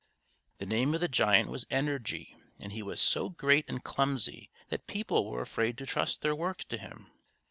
The name of the giant was Energy, and he was so great and clumsy that people were afraid to trust their work to him.